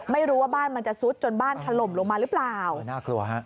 ไม่รู้ว่าบ้านมันจะซุดจนบ้านถล่มลงมาหรือเปล่าน่ากลัวฮะ